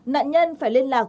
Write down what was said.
nạn nhân phải liên lạc